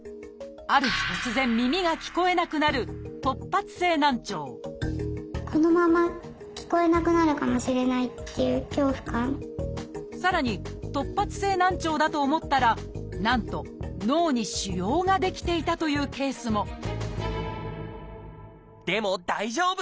ある日突然耳が聞こえなくなるさらに突発性難聴だと思ったらなんと脳に腫瘍が出来ていたというケースもでも大丈夫！